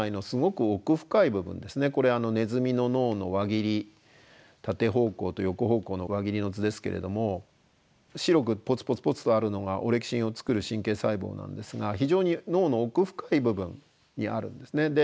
これネズミの脳の輪切り縦方向と横方向の輪切りの図ですけれども白くポツポツポツとあるのがオレキシンを作る神経細胞なんですが非常に脳の奥深い部分にあるんですね。